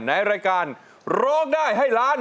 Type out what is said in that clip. ในรายการร้องได้ให้ล้าน